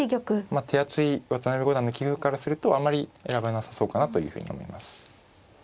まあ手厚い渡辺五段の棋風からするとあまり選ばなさそうかなというふうに思います。